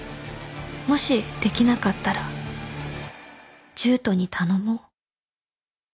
「もしできなかったらジュートに頼もう」